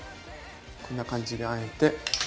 こんな感じであえて。